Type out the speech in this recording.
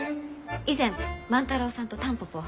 以前万太郎さんとタンポポを。